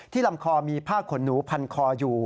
ลำคอมีผ้าขนหนูพันคออยู่